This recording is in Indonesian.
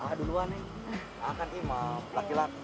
ah duluan nih makan imap laki laki